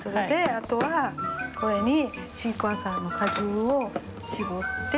あとはこれにシークワーサーの果汁を搾って。